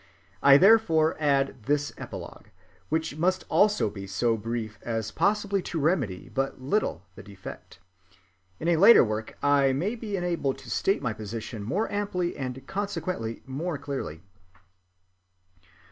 I therefore add this epilogue, which must also be so brief as possibly to remedy but little the defect. In a later work I may be enabled to state my position more amply and consequently more clearly.